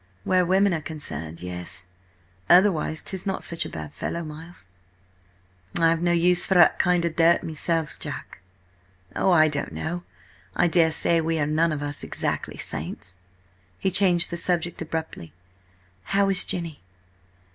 "Where women are concerned, yes. Otherwise–'tis not such a bad fellow, Miles." "I've no use for that kind of dirt myself, Jack." "Oh, I don't know. I daresay we are none of us exactly saints." He changed the subject abruptly. "How is Jenny?"